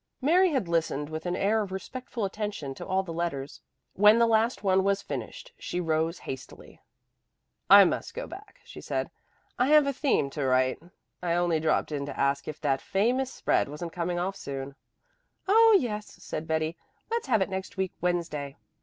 Mary had listened with an air of respectful attention to all the letters. When the last one was finished she rose hastily. "I must go back," she said. "I have a theme to write. I only dropped in to ask if that famous spread wasn't coming off soon." "Oh, yes," said Betty. "Let's have it next week Wednesday.